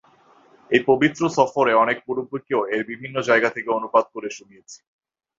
এই পবিত্র সফরে অনেক মুরুব্বীকেও এর বিভিন্ন জায়গা থেকে অনুবাদ করে শুনিয়েছি।